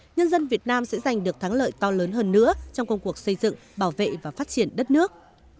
nhân dân việt nam sẽ giành được thắng lợi to lớn hơn nữa trong công cuộc xây dựng bảo vệ và phát triển đất nước